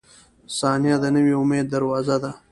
• ثانیه د نوي امید دروازه ده.